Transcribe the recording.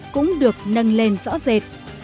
cũng được nâng lên rõ rệt